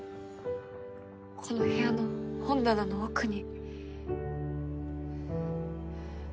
この部屋の本棚の奥に。